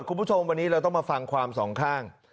คุณผู้ชมวันนี้เราต้องมาฟังความสองข้าง